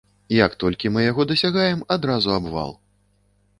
Як толькі мы яго дасягаем, адразу абвал.